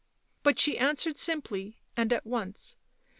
But she answered simply and at once.